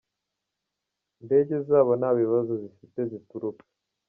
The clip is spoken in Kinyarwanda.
ndege zabo nta bibazo zifite zituruka